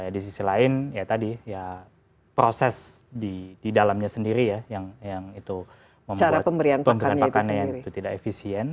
di sisi lain ya tadi ya proses di dalamnya sendiri ya yang itu membuat pemberian pakannya itu tidak efisien